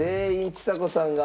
ちさ子さんは。